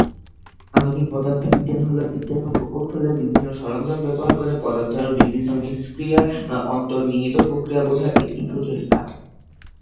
আধুনিক পদার্থবিজ্ঞান হলো বিজ্ঞান ও প্রকৌশলের বিভিন্ন সরঞ্জাম ব্যবহার করে পদার্থের বিভিন্ন মিথস্ক্রিয়ার অন্তর্নিহিত প্রক্রিয়া বোঝার একটি প্রচেষ্টা।